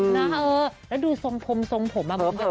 แล้วดูทรมด์ผมผมผม